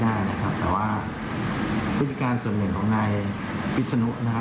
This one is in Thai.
เจาะไปจับครูไม่ได้นะครับแต่ว่าพฤติการส่วนหนึ่งของนายภิษณุนะฮะ